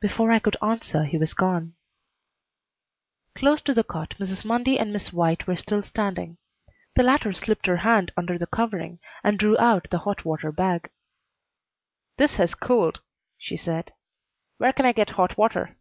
Before I could answer he was gone. Close to the cot Mrs. Mundy and Miss White were still standing. The latter slipped her hand under the covering and drew out the hot water bag. "This has cooled," she said. "Where can I get hot water?"